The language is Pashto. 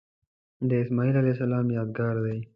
د اسمیل علیه السلام یادګار دی.